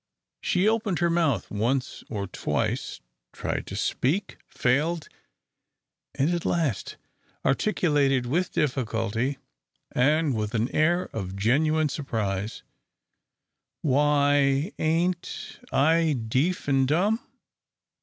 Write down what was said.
She opened her mouth once or twice, tried to speak, failed, and at last articulated with difficulty, and with an air of genuine surprise, "Why ain't I deef an' dumb?